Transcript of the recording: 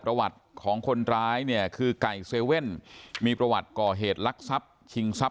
ประวัติของคนร้ายเนี่ยคือไก่เซเว่นมีประวัติก่อเหตุลักษัพชิงทรัพย